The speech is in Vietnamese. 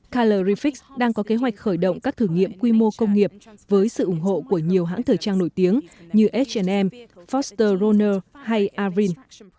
colorific đang có kế hoạch khởi động các thử nghiệm quy mô công nghiệp với sự ủng hộ của nhiều hãng thời trang nổi tiếng như h m foster runner hay arvin